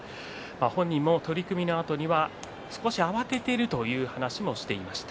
本人も取組のあとには少し慌てているという話もしていました。